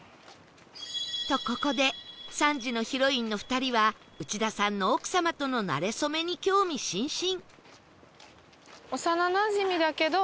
とここで３時のヒロインの２人は内田さんの奥様とのなれそめに興味津々幼なじみだけど。